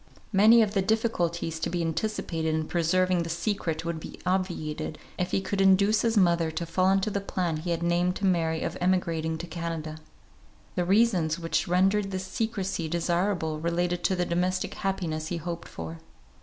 Many of the difficulties to be anticipated in preserving the secret would be obviated, if he could induce his mother to fall into the plan he had named to Mary of emigrating to Canada. The reasons which rendered this secrecy desirable related to the domestic happiness he hoped for.